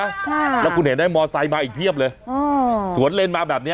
ค่ะแล้วคุณเห็นได้มอไซด์มาอีกเทียบเลยสวนเลนส์มาแบบนี้